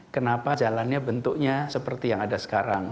kenapa jalannya bentuknya seperti yang ada sekarang